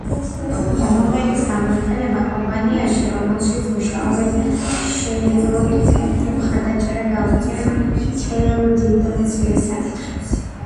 რომელიც გამოიყენება კომპანიაში რომელშიც მუშაობენ შეეძლოთ ტექნიკური მხარდაჭერა გაუწიონ მთელ დიდ და მცირე საკითხებს.